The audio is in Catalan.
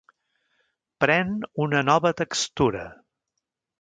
Pren una nova textura.